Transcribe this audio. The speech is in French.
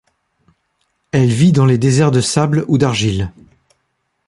Elle vit dans les déserts de sable ou d'argile.